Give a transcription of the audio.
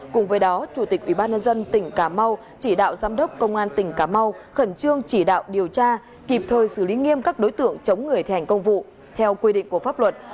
cùng với đó chủ tịch ubnd tỉnh cà mau chỉ đạo giám đốc công an tỉnh cà mau khẩn trương chỉ đạo điều tra kịp thời xử lý nghiêm các đối tượng chống người thi hành công vụ theo quy định của pháp luật